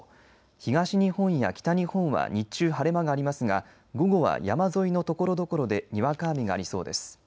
東日本や北日本は日中晴れ間がありますが午後は山沿いのところどころでにわか雨がありそうです。